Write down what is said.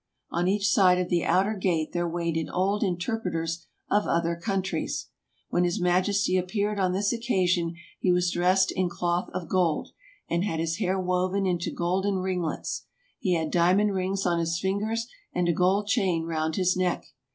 On each side of the outer gate there waited old interpreters of other countries. When his majesty appeared on this occasion he was dressed in cloth of gold, and had his hair woven into golden ring lets; he had diamond rings on his fingers, and a gold chain round his neck.